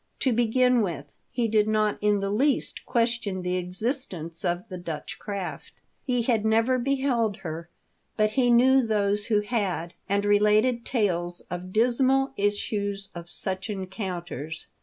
To besfin with, he did not in the least question the existence of the Dutch craft ; he had never beheld her, but he knew those who had, and related tales of dismal issues of such encounters.